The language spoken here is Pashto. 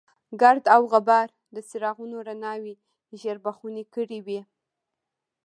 ګرد او غبار د څراغونو رڼاوې ژېړ بخونې کړې وې.